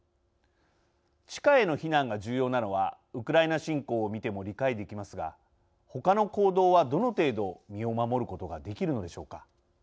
地下への避難が重要なのはウクライナ侵攻を見ても理解できますが、他の行動はどの程度、身を守ることができるのでしょうか。